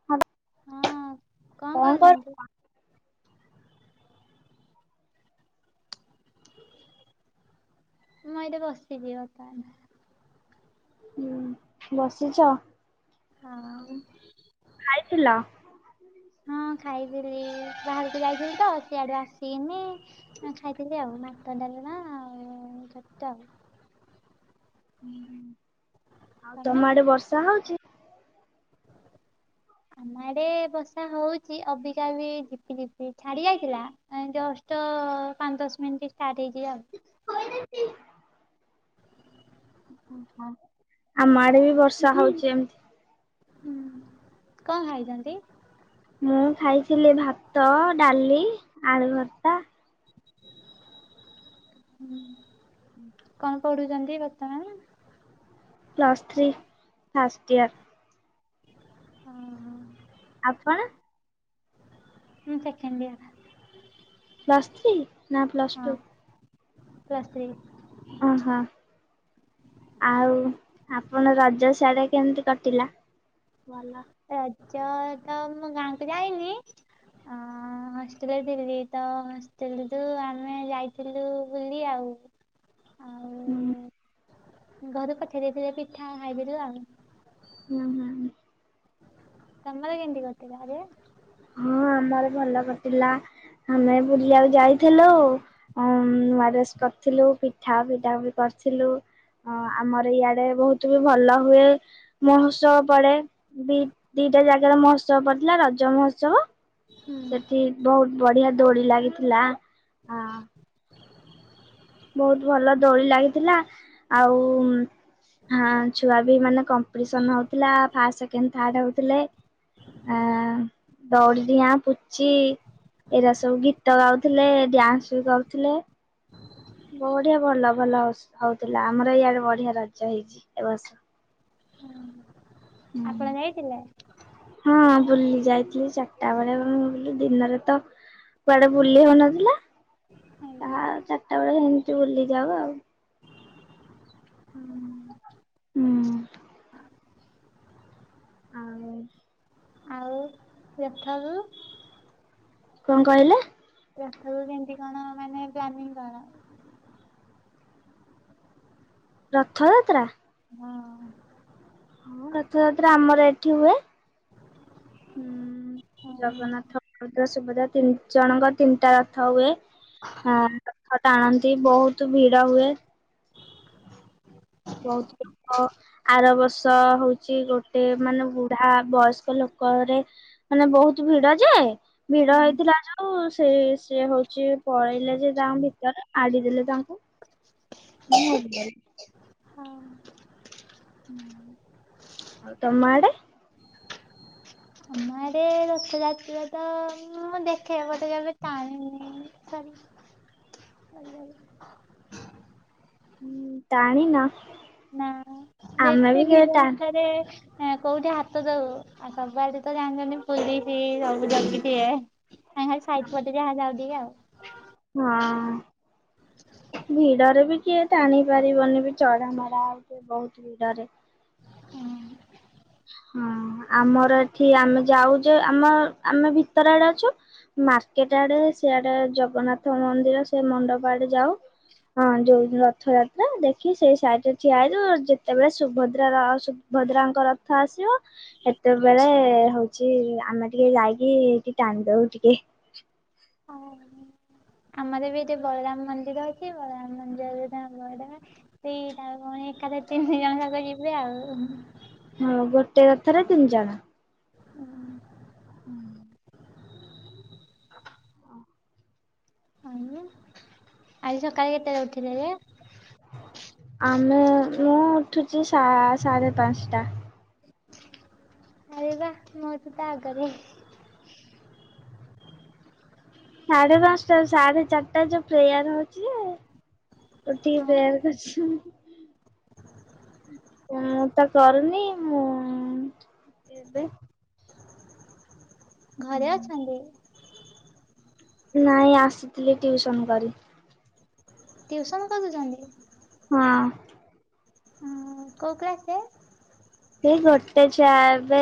[unintelligible] ହଁ କଣ କରୁଚନ୍ତି? ମୁଁ ଏଇଠି ବସିଚି ବର୍ତ୍ତମାନ। ହୁଁ ବସିଚ? ଖାଇଥିଲ? ହଁ। ହଁ ଖାଇକିରି ବାହାରକୁ ଯାଇଥିଲି ତ ସିଆଡୁ ଆସିକିନି ହଁ ଖାଇଥିଲି ଆଉ। ଭାତ, ଡାଲମା ଆଉ ଖଟା ଆଉ। ଆଉ ତମେ? ତମ ଆଡେ ବର୍ଷା ହଉଚି? ଆମ ଆଡେ ବର୍ଷା ହଉଚି। ଅବିକା ବିି ଝିପି ଝିପି ଛାଡିଯାଇଥିଲା ନାଇଁ ଯଷ୍ଟ ପାଞ୍ଚ ଦଶ ମିଣ୍ଟି ଷ୍ଟାର୍ଟ ହେଇଚି ଆଉ। [unintelligible] ଓହୋ। ଆମ ଆଡେ ବି ବର୍ଷା ହଉଚି ଏମତି। ହୁଁ। କଣ ଖାଇଛନ୍ତି? ମୁଁ ଖାଇଥିଲି ଭାତ, ଡାଲି, ଆଳୁ ଭର୍ତା। କଣ କରୁଛନ୍ତି ବର୍ତ୍ତମାନ? Plus three first year. ଅ ହଁ। ଆପଣ? ମୁଁ ସେକେଣ୍ଡ ଇୟର୍। ପ୍ଲସ୍ ଥ୍ରୀ ନା ପ୍ଲସ୍ ଟୁ? Plus three. ହଁ। ଆଉ ଆପଣ ରଜ ସିଆଡେ କେମିତି କଟିଲା? ରଜ ତ ମୁଁ ଗାଁକୁ ଯାଇନି। ଆଁ ହଷ୍ଟେଲରେ ଥିଲି। ତ ହଷ୍ଟେଲ ରୁ ଆମେ ଯାଇଥିଲୁ ବୁଲି ଆଉ। [unintelligible] ଉଁ। ଘରେ ପଠେଇ ଦେଇଥିଲେ ପିଠା ଖାଇଦେଲୁ ଆଉ। ହୁଁ ହୁଁ। ତମର କେମିତି କଟିଲା [unintelligible] ହଁ ଆମର ଭଲ କଟିଲା। ଆମେ ବୁଲିବାକୁ ଯାଇଥିଲୁ। ଉଁ ନୂଆ ଡ୍ରେସ୍ କରିଥିଲୁ ପିଠା ପିଠା ବି କରିଥିଲୁ? ହଁ ଆମର ଇଆଡେ ବହୁତ ବି ଭଲ ହୁଏ। ମହୋତ୍ସବ ପଡେ ଦି ଦିଟା ଜାଗାର ମହୋତ୍ସବ ପଡିଥିଲା ରଜ ମହୋତ୍ସବ। ସେଠି ବହୁତ ବଢିଆ ଦୋଳି ଲାଗିଥିଲା। ହଁ ବହୁତ ଭଲ ଦୋଳି ଲାଗିଥିଲା ଆଉ ହଁ ଛୁଆ ବି ମାନେ କମ୍ପିଟସନ ହଉଥିଲା ଫାଷ୍ଟ ସେକଣ୍ଡ ଥାଡ ହଉଥିଲେ। ଆ ଦୌଡିଡିଆ ପୁଚି। ଏଇଟା ସବୁ ଗୀତ ଗାଉଥିଲେ ଡ୍ୟାନ୍ସ ବି କରୁଥିଲେ। ବଢିଆ ଭଲ ଭଲ ହଉଥିଲା ଆମର ଇଆଡେ ବଢିଆ ରଜ ହେଇଛି ଏ ବର୍ଷ। ହୁଁ। ଆପଣ ଯାଇଥିଲେ? ହଁ ବୁଲି ଯାଇଥିଲି ଚାରିଟା ବେଳେଁ ଦିନରେ ତ କୁଆଡେ ବୁଲି ହଉନଥିଲା ତାହା ଚାରିଟା ବେଳେ ଏମିତି ବୁଲିଯାଉ ଆଉ ହୁଁ। ହୁଁ। ଆଉ ଆଉ ସେଠାରୁ କଣ କହିଲେ? ଆରଥରକୁ କେମତି କଣ ମାନେ ପ୍ଲାନିଙ୍ଗ କଣ? ରଥଯାତ୍ରା। ହଁ। ହଁ ରଥଯାତ୍ରା ଆମର ଏଠି ହୁଏ ହୁଁ। ହୁଁ ଜଗନ୍ନାଥ ବଳଭଦ୍ର ସୁଭଦ୍ରା ତିନି ଜଣଙ୍କ ତିନିଟା ରଥ ହୁଏ। ହଁ ରଥ ଟାଣନ୍ତି ବହୁତ ଭିଡ ହୁଏ। ବହୁତ ଭିଡ଼। ଆର ବର୍ଷ ହଉଚି ଗୋଟେ ମାନେ ବୁଢା ବୟସ୍କ ଲୋକରେ ମାନେ ବହୁତ ଭିଡ ଯେ ଭିଡ ହେଇଥିଲା ଯୋଉ ସେ ସି ହଉଛି ପଳେଇଲେ ଯେ ତାଙ୍କ ଭିତରେ ଆଡିଦେଲେ ତାଙ୍କୁ [inaudible] ହଁ। ତମଆଡେ? ଗାଁରେ ରଥଯାତ୍ରା ତ ମୁଁ ଦେଖେ ବଟ କେବେ ଟାଣିନି। ଛାଡ ଟାଣିନ? ନା ବେଶୀ ଭିଡ଼ ଭିତରେ ହଁ କୋଉଠି ହାତ ଦବୁ ଆଉ ସବୁଆଡେ ତ ଜାଣିଛନ୍ତି ପୋଲିସ ସବୁ ଜଗିଥିବେ। କାଇଁ ଖାଲି ଆମେ ସାଇକେଲରେ ଯାହା ଯାଉ ଟିକେ ଆଉ ହଁ। ଭିଡରେ ବି କିଏ ଟାଣି ପାରିବନି ବି ଚଢ଼ା ମରା ଆଉ କିଏ ବହୁତ ଭିଡରେ? ହଁ ଆମର ଏଠି ଆମେ ଯାଉ ଯେ ଆମ ଆମେ ଭିତର ଆଡେ ଅଛୁ। ମାର୍କେଟ ଆଡେ ସେଆଡେ ଜଗନ୍ନାଥ ମନ୍ଦିର ସେ ମଣ୍ଡପ ଆଡେ ଯାଉ ହଁ ଯୋଉ ରଥଯାତ୍ରା ଦେଖି ସେଇ ସାଇଡରେ ଠିଆ ହେଇ ଦଉ ଯେତେବେଳେ ସୁଭଦ୍ରା ସୁଭଦ୍ରାଙ୍କ ରଥ ଆସିବ। ସେତେବେଳେ ହଉଛି ଆମେ ଟିକେ ଯାଇକି ଏଠି ଟାଣିଦଉ ଟିକେ ହ ଆମର ବି ଏଠି ବଳରାମ ମନ୍ଦିର ଅଛି ବଳରାମ ମନ୍ଦିରରେ ବ ସେଇ ତା କଣ ଏକାଦଶୀରେ ତିନିଜଣ ଯାକ ଯିବେ ଆଉ? ହଁ ଗୋଟେ ରଥରେ ତିନି ଜଣ। [inaudible] ଆଉ ଆଜି ସକାଳେ କେତେବେଳେ ଉଠିଲେ ଯେ? ଆମେ ମୁଁ ଉଠୁଚି ସା-ସା-ସାଢ଼େ ପାଞ୍ଚଟା। ଆରେ ବା ମୋ ଠୁ ତ ଆଗରେ। ସାଢେ ପାଞ୍ଚଟା ସାଢେ ଚାରିଟା ଯୋଉ ପ୍ରେୟାର ହୋଉଚି ଯେ ଉଠିକି ପ୍ରେୟାର କରୁଛନ୍। ମୁଁ ତ କରୁନି ମୁଁ ଏବେ ଘରେ ଅଛନ୍ତି? ନାଇଁ ଆସିଥିଲି ଟିଉସନ କରି। ଟିଉସନ୍ କରିଦୋଉଚନ୍ତି? ହଁ। ଉଁ କୋଉ କ୍ଲାସେ? ସେଇ ଗୋଟେ ଛୁଆ ଏବେ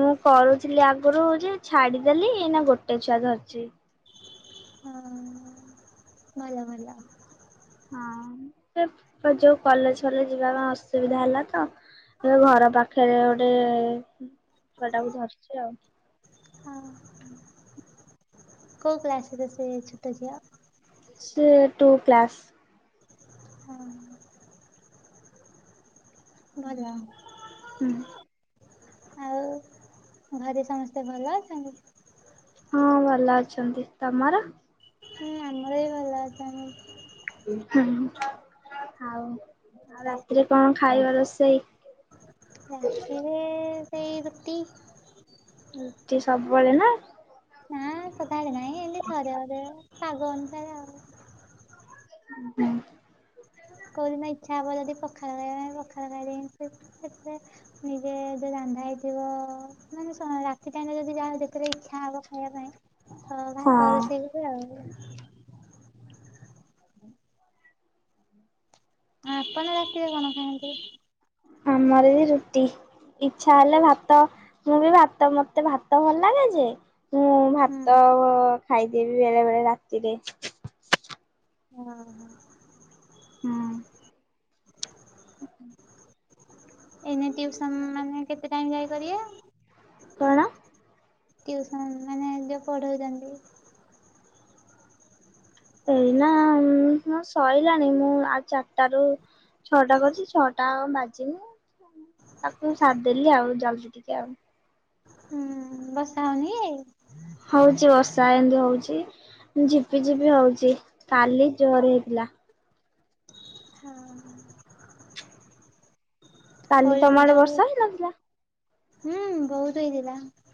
ମୁଁ କରୁଥିଲି ଆଗରୁ ଯେ ଛାଡିଦେଲି ଏଇନା ଗୋଟେ ଛୁଆ ଧରିଚି। ହଁ। ଭଲ ଭଲ। ହଁ ସେ ଯୋଉ କଲେଜ ଫଲେଜ ଯିବା ପାଇଁ ଅସୁବିଧା ହେଲା ତ ଏ ଘର ପାଖରେ ଗୋଟେ ଛୁଆ ଟାକୁ ଧରିଚି ଆଉ। ହଁ। କୋଉ କ୍ଲାସ ର ସେ ଛୋଟ ଝିଅ? ସିଏ ଟୁ କ୍ଲାସ। ହଁ ଭଲ। ହୁଁ ଆଉ ଘରେ ସମସ୍ତେ ଭଲ ଅଛନ୍ତି? ହଁ ଭଲ ଅଛନ୍ତି। ତମର? ହୁଁ ଆମର ବି ଭଲ ଅଛନ୍ତି। ହଁ ଆଉ ରାତିରେ କଣ ଖାଇବ ରୋଷେଇ? ରାତିରେ ସେଇ ରୁଟି। ରୁଟି ସବୁବେଳେ ନା? ହଁ। ସକାଳେ ନାଇଁ ଏମିତି ଥରେ ଅଧେ ପାଗ ଅନୁସାରେ ଆଉ। ହୁଁ। କୋଉଦିନ ଇଚ୍ଛା ହବ ଯଦି ପଖାଳ ଖାଇବା ପାଇଁ ପଖାଳ ଖାଇଦେବି [inaudible] ନିଜେ ଯୋଉ ରନ୍ଧା ହେଇଥିବ ମାନେ ଶୁଣ ରାତ୍ ସେ ଟାଇମ ରେ ଯଦି ଯାହାର ଯେତେଳେ ଇଚ୍ଛା ହବ ଖାଇବା ପାଇଁ ତ ହଁ। ଭାତ ରୋଷେଇ ହୁଏ ଆଉ। ଆପଣ ରାତିରେ କଣ ଖାଆନ୍ତି? ଆମର ବି ରୁଟି। ଇଚ୍ଛା ହେଲେ ଭାତ ମୁଁ ବି ଭାତ ମତେ ଭାତ ଭଲ ଲାଗେ ଯେ ମୁଁ ହୁଁ ଭାତ ଖାଇଦେବି ବେଳେ ବେଳେ ରାତିରେ। ଓହୋ। ହୁଁ। [inaudible] ଏଇନେ ଟିଉସନ୍ ମାନେ କେତେ ଟାଇମ୍ ପର୍ଯ୍ୟନ୍ତ କରିବ? କଣ? ଟିଉସନ୍ ମାନେ ଯୋଉ ପଢୋଉଚନ୍ତି। ଏଇନା ମୋ ସଇଲାଣି ମୁଁ ଆଉ ଚାରିଟାରୁ ଛଅଟା କରିଛି ଛଅଟା ଆଉ ବାଜିନି। ତାକୁ ମୁଁ ସାରି ଦେଲି ଆଉ ଯାଉଛି ଟିକେ ଆଉ ହୁଁ ବର୍ଷା ହଉନି ହଉଛି ବଷା ଏମିତି ହଉଛି ଝିପି ଝିପି ହଉଛି କାଲି ଜୋରେ ହେଇଥିଲା। ହୁଁ କାଲି ତମ ଆଡେ ବର୍ଷା ହୁଁ ହେଇନଥିଲା? ବହୁତ ହେଇଥିଲା।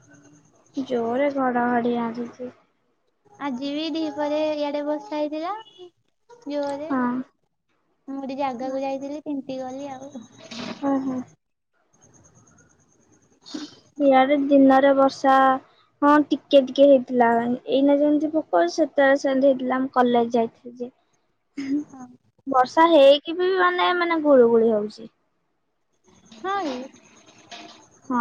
ଜୋରେ ଘଡଘଡି ଆସିଛି। ଆଜି ବି ଦ୍ଵି ପହରେ ଇଆଡ଼େ ବର୍ଷା ହେଇଥିଲା। ଜୋରରେ ହଁ। ମୁଁ ଗୋଟେ ଜାଗାକୁ ଯାଇଥିଲି ତିନ୍ତି ଗଲି ଆଉ। ହୁଁ ହୁଁ ଇଆଡ଼େ ଦିନରେ ବର୍ଷା। ହଁ ଟିକେ ଟିକେ ହେଇଥିଲା ଏଇନା ଯେମିତି ପକଉଚି ସେତେବେଳେ ସେମିତି ହେଇଥିଲା ମୁଁ କଲେଜ ଯାଇଥିଲି। ବର୍ଷା ହେଇକି ବି ମାନେ ମାନେ ଗୁଳୁ ଗୁଳି ହଉଛି। ହଁ ଏ ହଁ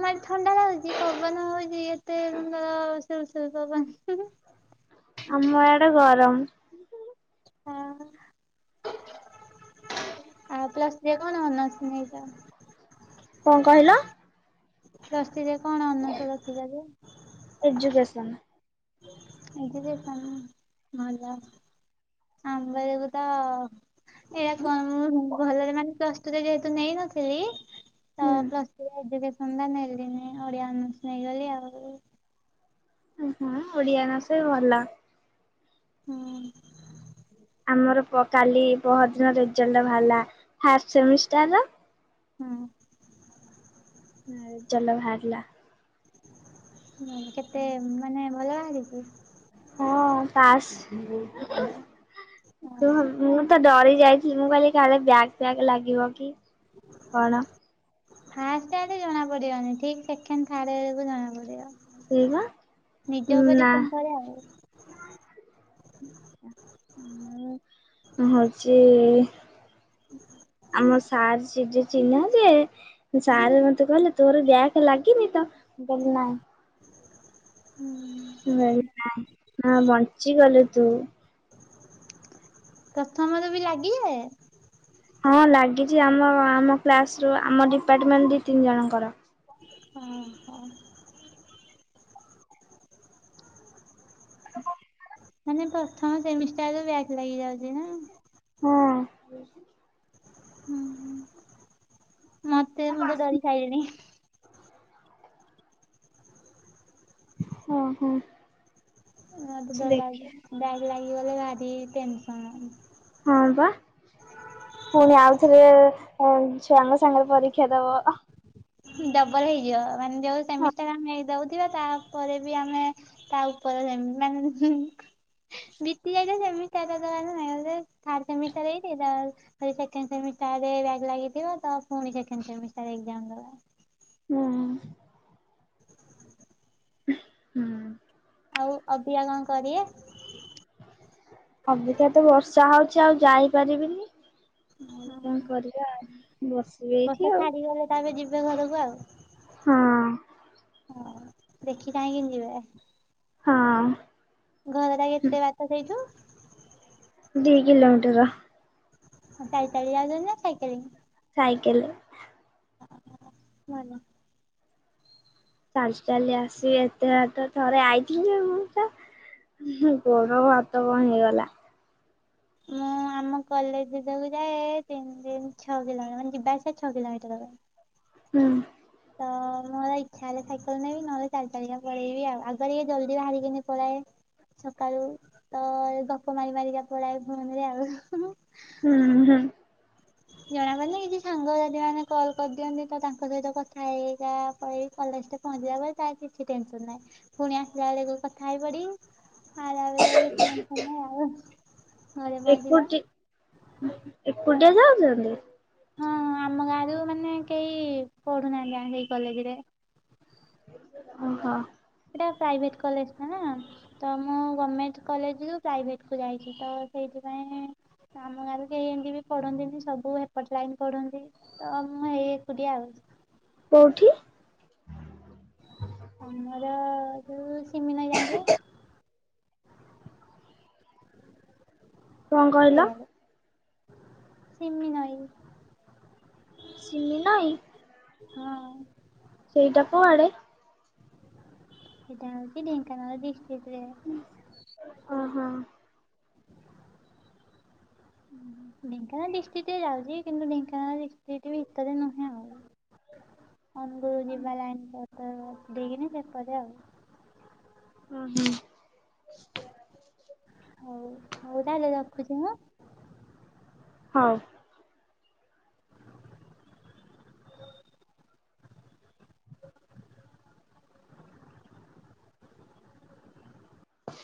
ନାଇଁ ଥଣ୍ଡା ଲାଗୁଛି ପବନ ହଉଛି ଏତେ ସୁନ୍ଦର ସୁଲ୍ ସୁଲ୍ ପବନ। ଆମ ଏଆଡେ ଗରମ। ହଁ ଆଉ ପ୍ଲସ୍ ଥ୍ରୀ ରେ କଣ ଅନର୍ଶ ନେଇଛ। କଣ କହିଲ। ପ୍ଲସଥ୍ରୀ କଣ ରଖିଥିଲା ଯେ। ଏଜ୍ୟୁକେସନ୍। ଏଜ୍ୟୁକେସନ୍ ଭଲ। ଆମବେଳକୁ ତ। ଏଇଟା କଣ ମୁଁ ଭଲରେ ମାନେ ପ୍ଲସ୍ ଟୁରେ ଯେହେତୁ ନେଇନଥିଲି ତ ହୁଁ। ପ୍ଲସ ଏଜ୍ୟୁକେସନ୍ ନେଲିନି ଓଡିଆ ଅନର୍ଷ ଟା ନେଇଗଲି ଆଉ। ଓ ହଁ ଓଡିଆ ଅନର୍ଷ ଭଲ। ହଁ ଆମର ପ୍ର କାଲି ପ୍ରହରଦିନ ରେଜଲ୍ଟ ବାହାରିଲା ଫାଷ୍ଟ ସେମିଷ୍ଟାର୍ ର। ହୁଁ ହୁଁ ରେଜେଲ୍ଟ ବାହାରିଲା। ହୁଁ କେତେ ମାନେ ଭଲ ବାହାରଛି ହଁ ପାଶ୍। ମୁଁ ତ ଡରି ଯାଇଥିଲ ମୁଁ କହିଲି କାଳେ ବ୍ୟାକ ଫ୍ୟାକ ଲାଗିବ କି କଣ। ଫାଷ୍ଟ ଟାରେ ଜଣା ପଡିବନି ଠିକ୍ ସେକେଣ୍ଡ ଥାଡ଼୍ ଜଣା ସେଇବା ପଡି଼ବ। ନିଜ ଉପରେ ନା ଡିପେଣ୍ଡ କରେ ଆଉ। ମୁଁ ହଉଚି। ଆମ ସାର୍ ସେଠି ଚିହ୍ନା ଯେ ସାର୍ ମତେ କହିଲେ ତୋର ବ୍ୟାକ ଲାଗିନି ତ ମୁଁ କହିଲି ନାଇଁ। ହୁଁ ମୁଁ କହିଲି ନାଇଁ ହଁ ବଞ୍ଚିଗଲୁ ତୁ। ପ୍ରଥମର ବି ଲାଗିଯାଏ? ହଁ ଲାଗିଛି ଆମ ଆମ କ୍ଲାସ ରୁ ଆମ ଡିପାର୍ଟମେଣ୍ଟ ଦି ତିନି ଜଣଙ୍କର। ଓହୋ। ମାନେ ପ୍ରଥମ ସେମିଷ୍ଟା ରେ ବ୍ୟାକ୍ ଲାଗିଯାଉଛି ନା। [inaudible] ମତେ ମୁଁ ତ ଡରି ସାଇଲିଣି। ଓହୋ। ମୋତେ ଡର ଲାଗୁଚି ବ୍ୟାକ୍ ଲାଗିଗଲେ ଭାରି ଟେନସନ୍। ହଁ ପା। [inaudible] ପୁଣି ଆଉଥରେ ଅ ଛୁଆଙ୍କ ସାଙ୍ଗରେ ପରୀକ୍ଷା ଦବ। ଡବଲ ହେଇଯିବ ମାନେ ଯୋଉ ସେମିଷ୍ଟାର ଆମେ ଦଉଥିବା ତାପରେ ବି ଆମେ ତା ଉପରେ ଯେତି ମାନେ ହୁଁ ବିତିଯାଇଥିବା ସେମିଷ୍ଟାର୍ ଦବା ନାଇ ଅଲରେଡି ଥାର୍ଡ ସେମିଷ୍ଟାର୍ ହିଁ ଦେଇଦେବା ଭଲ। ସେକେଣ୍ଡ ସେମିଷ୍ଟାର ବ୍ୟାକ ଲାଗିଥିବ ତ ପୁଣି ସେକେଣ୍ଡ ସେମିଷ୍ଟାର ଏକ୍ଜାମ ଦବ। ହୁଁ। ହୁଁ। ଆଉ ଅବିଆ କଣ କରିୟେ? ଅବିକା ତ ବର୍ଷା ହଉଚି ଆଉ ଯାଇପାରିବିନି। ଆଉ କଣ କରିବା ଆଉ ବସିବି ଏଇଠି ଆଉ। ତା ପରେ ଯିବେ ଘରକୁ ଆଉ। ହଁ। ହଁ ଦେଖି ଚାହିଁକି ନିବେ। ହଁ। ଘରଟା କେତେ ବାଟ ସେଇଠୁ? ଦି କିିଲୋମିଟର। ଚାଲି ଚାଲି ଯାଉଚ ନା ସାଇକେଲିଙ୍ଗ? ସାଇକେଲେ। ଆ ଭଲ। ଚାଲି ଚାଲି ଆସିବି ଏତେ ବାଟ ଥରେ ଆଇଥିଲି ମୁଁ ତ ଗୋଡ ହାତ କଁ ହେଇଗଲା। ମୁଁ ଆମ କଲେଜ ଯୋଗୁ ଯାଏ ତିନତିନ ଛଅ କିଲୋମିଟର ମାନେ ଯିବା ଆସିବା ଛଅ କିଲୋମିଟର ହବ। ହୁଁ। ତ ମୋର ଇଛା ହେଲେ ସାଇକେଲ ନେବି ନହେଲେ ଚାଲି ଚାଲିକା ପଳେଇବି ଆଉ ଆଗ ଟିକେ ଜଲ୍ଦି ବାହାରିକିନି ପଳାଏ। ସକାଳୁ ତ ଗପ ମାରି ମାରିକା ପଲାୟେ ଫୋନରେ ଆଉ। ହୁଁ ହୁଁ। ଜଣାପଡେନି ଏ ଯୋଉ ସାଙ୍ଗସାଥିୀ ମାନେ କଲ କରିଦିଅନ୍ତି ତ ତାଙ୍କ ସହିତ କଥା ହେଇ ହେଇକା ପଳାଏ କଲେଜ ଟା ପହଞ୍ଚିଲା ପରେ ତା କିଛି ଟେନସନ ନାହିଁ ପୁଣି ଆସିଲା ବେଳେକୁ କଥା ହେଇ ପଡିବି। ଆଇଲା ବେଳେ ଏଇ [unintelligible] ଘରେ ପହଞ୍ଚିବା। ଏକୁଟି ଏକୁଟିଆ ଯାଉଚନ୍ତି ହଁ ଆମ ଗାଁ ରୁ ମାନେ କେହି ପଢୁନାହାନ୍ତି ଜାଣିକି ଏଇ କଲେଜରେ। ଓହୋ। ଏଟା ପ୍ରାଇଭେଟ କଲେଜ ଟା ନା। ତ ମୁଁ ଗମେଣ୍ଟ କଲେଜରୁ ପ୍ରାଇଭେଟ କୁ ଯାଇଚି ତ ସେଇଥିପାଇଁ ଆମ ଗାଁରେ କେହି ଏମିତି ବି ପଢନ୍ତିନି ସବୁ ହେପଟ ଲାଇନ ପଢନ୍ତି। ତ ମୁଁ ଏଇ ଏକୁଟିଆ ଆଉ। କୋଉଠି? ଆମର ଯୋଉ ସିମି ନାଈ ଜାଣିଥିବେ କଣ କହିଲ? ସେଇଆଡେ ସିମି ନଈ ସିମି ନାଇ। ହଁ। ସେଇଟା କୁଆଡେ? ସେଟା ହେଉଛି ଢେଙ୍କାନାଳ ଡିଷ୍ଟ୍ରିକ୍ ରେ। ଓ ହୋ। ଅଁ, ହଁ। ଢେଙ୍କାନାଳ ଡିଷ୍ଟିକ୍ ରେ ଯାଉଛି କିନ୍ତୁ ଢେଙ୍କାନାଳ ଡିଷ୍ଟିକ୍ ଭିତରେ ନୁହେଁ ଆଉ। ଅନୁଗୁଳ ଯିବା ଲାଇନ୍ [unintelligible] ଦେଇକିନି ସେପଟେ ଆଉ। ହଁ, ହଁ। ହଉ ହଉ ତାହେଲେ ରଖୁଛି ହଁ। ହଉ। [inaudible]